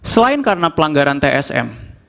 selain karena pelanggaran tsm